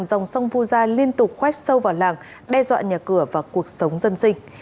dòng sông vu gia liên tục khoét sâu vào làng đe dọa nhà cửa và cuộc sống dân sinh